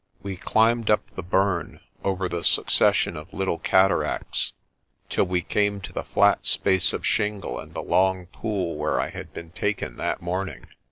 We climbed up the burn, over the succession of little cataracts, till we came to the flat space of shingle and the long pool where I had been taken that morning.